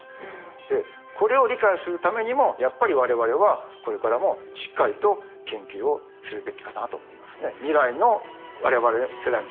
でこれを理解するためにもやっぱり我々はこれからもしっかりと研究をするべきかなと思いますね。